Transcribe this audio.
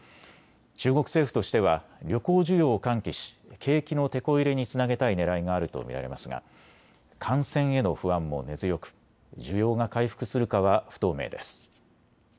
中国政府としては旅行需要を喚起し景気のてこ入れにつなげたいねらいがあると見られますが感染への不安も根強く需要が回復するかは不透明です。